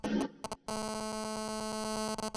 钝叶短柱茶为山茶科山茶属的植物。